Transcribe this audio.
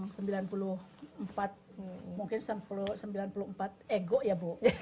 kami memang anggota memang sembilan puluh empat mungkin sembilan puluh empat ego ya bu